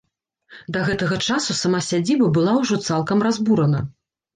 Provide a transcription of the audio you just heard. Да гэтага часу сама сядзіба была ўжо цалкам разбурана.